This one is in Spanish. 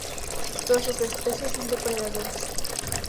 Todas sus especies son depredadores.